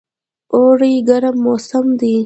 اوړی ګرم موسم دی